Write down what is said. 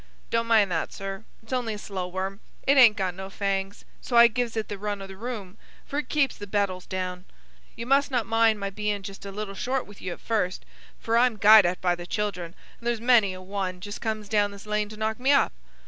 "Don't mind that, sir: it's only a slow worm. It hain't got no fangs, so I gives it the run o' the room, for it keeps the beetles down. You must not mind my bein' just a little short wi' you at first, for I'm guyed at by the children, and there's many a one just comes down this lane to knock me up.